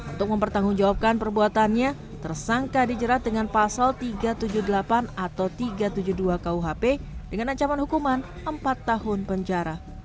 untuk mempertanggungjawabkan perbuatannya tersangka dijerat dengan pasal tiga ratus tujuh puluh delapan atau tiga ratus tujuh puluh dua kuhp dengan ancaman hukuman empat tahun penjara